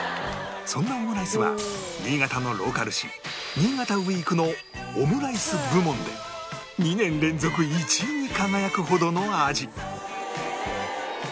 そんなオムライスは新潟のローカル誌『新潟 ＷＥＥＫ！』のオムライス部門で２年連続１位に輝くほどの味